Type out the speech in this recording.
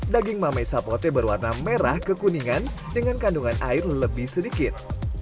daging mame sapote berwarna merah kekuningan dengan kandungan air lebih sedikit